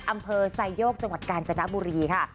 อำเภอไซโยกจังหวัดกาญจนบุรีค่ะ